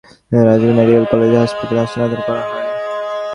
সেখানে তাঁর অবস্থার অবনতি হলে রাজশাহী মেডিকেল কলেজ হাসপাতালে স্থানান্তর করা হয়।